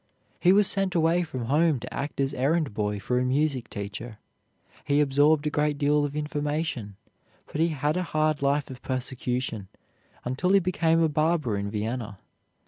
He was sent away from home to act as errand boy for a music teacher. He absorbed a great deal of information, but he had a hard life of persecution until he became a barber in Vienna.